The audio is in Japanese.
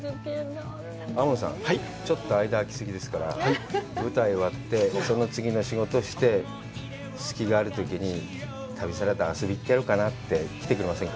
亞門さん、ちょっと間あきすぎですから、舞台が終わって、次の仕事して、隙があるときに旅サラダ遊びに行ってやろうかなって来ていただきませんか？